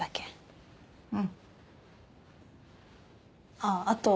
あっあと。